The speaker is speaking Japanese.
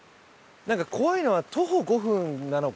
なんか怖いのは徒歩５分なのか